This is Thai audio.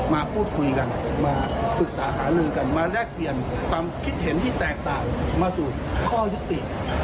มาพูดคุยกันมาปรึกษาหาลือกันมาแลกเปลี่ยนความคิดเห็นที่แตกต่างมาสู่ข้อยุติ